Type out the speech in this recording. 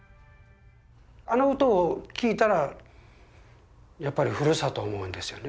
あの歌を聴いたらやっぱりふるさとを思うんですよね。